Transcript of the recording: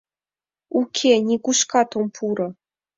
Уке, нигушкат ом пуро...